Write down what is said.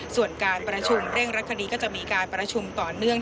ส่วนการประชุมเร่งรัดคดีก็จะมีการประชุมต่อเนื่อง